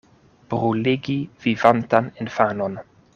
Bruligi vivantan infanon!